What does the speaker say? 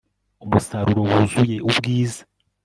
umusaruro wuzuye ubwiza